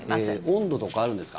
温度とかあるんですか？